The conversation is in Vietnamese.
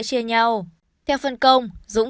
chia nhau theo phân công dũng